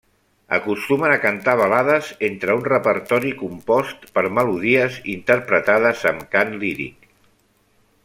Acostumen a cantar balades entre un repertori compost per melodies interpretades amb cant líric.